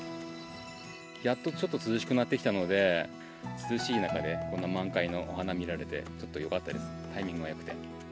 やっとちょっと涼しくなってきたので、涼しい中で、この満開のお花を見られて、ちょっとよかったです、タイミングもよくて。